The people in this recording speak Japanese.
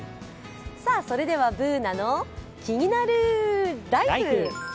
それでは「ＢｏｏｎａのキニナルＬＩＦＥ」。